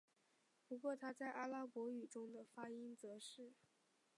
不过它在阿拉伯语中的发音则是。